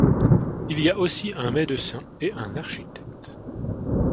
Il y a aussi un médecin et un architecte.